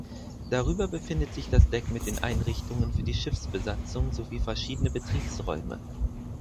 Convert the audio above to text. Darüber befindet sich das Deck mit den Einrichtungen für die Schiffsbesatzung sowie verschiedene Betriebsräume.